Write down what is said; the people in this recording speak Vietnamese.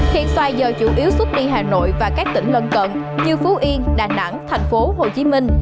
hiện xoài do chủ yếu xuất đi hà nội và các tỉnh lân cận như phú yên đà nẵng tp hcm